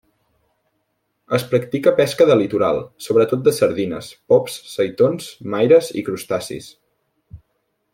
Es practica pesca de litoral, sobretot de sardines, pops, seitons, maires i crustacis.